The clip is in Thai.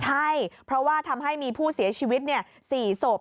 ใช่เพราะว่าทำให้มีผู้เสียชีวิต๔ศพ